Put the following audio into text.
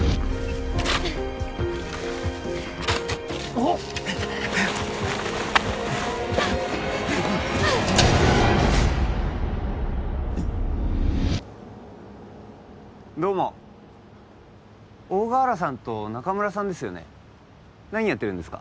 おっどうも大河原さんと中村さんですよね何やってるんですか？